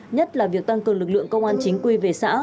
nhất là việc tăng cường lực lượng công an chính quy về xã